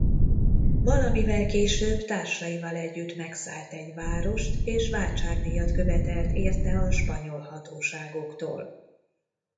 Valamivel később társaival együtt megszállt egy várost és váltságdíjat követelt érte a spanyol hatóságoktól.